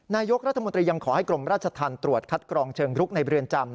นายกรัฐมนตรียังขอให้กรมราชธรรมตรวจคัดกรองเชิงรุกในเรือนจำ